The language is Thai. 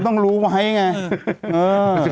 ต้องรู้ไว้ไง